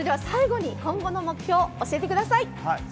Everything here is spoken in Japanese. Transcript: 最後に今後の目標を教えてください。